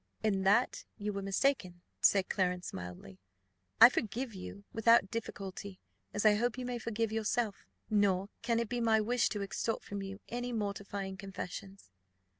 "In that you were mistaken," said Clarence, mildly; "I forgive you without difficulty, as I hope you may forgive yourself: nor can it be my wish to extort from you any mortifying confessions.